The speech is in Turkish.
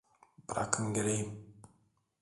Bırakın gireyim!